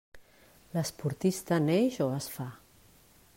L'esportista neix o es fa.